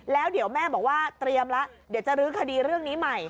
แล้วเดี๋ยวแม่บอกว่าเตรียมแล้วเดี๋ยวจะลื้อคดีเรื่องนี้ใหม่